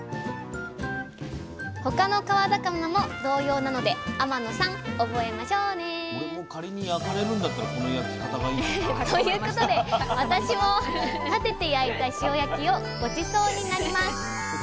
他の川魚も同様なので天野さん覚えましょうね！ということで私も立てて焼いた塩焼きをごちそうになります。